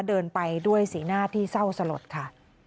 เดินไปด้วยสีหน้าที่เศร้าสลดค่ะ